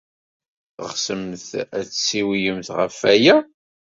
Teɣsemt ad d-tessiwlemt ɣef waya?